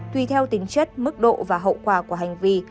tùy theo tính chất mức độ và hậu quả của hành vi